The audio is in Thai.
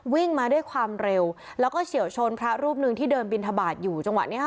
วิ่งมาด้วยความเร็วแล้วก็เฉียวชนพระรูปหนึ่งที่เดินบินทบาทอยู่จังหวะนี้ค่ะ